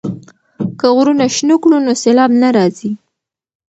که غرونه شنه کړو نو سیلاب نه راځي.